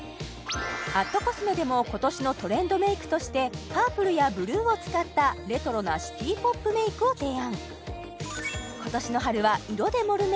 ｃｏｓｍｅでも今年のトレンドメイクとしてパープルやブルーを使ったレトロなシティポップメイクを提案